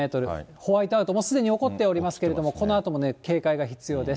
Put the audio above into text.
ホワイトアウト、もうすでに起こっておりますけれども、このあとも警戒が必要です。